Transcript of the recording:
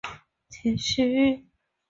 国见站的铁路车站。